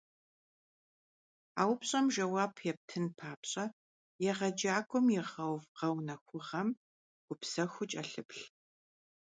A vupş'em jjeuap yêptın papş'e, yêğecak'uem yiğeuv ğeunexunığem gupsexuu ç'elhıplh.